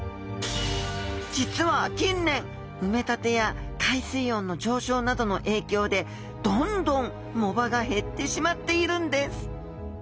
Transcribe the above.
実は近年埋め立てや海水温の上昇などの影響でどんどん藻場が減ってしまっているんです。